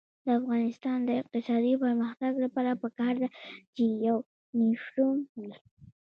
د افغانستان د اقتصادي پرمختګ لپاره پکار ده چې یونیفورم وي.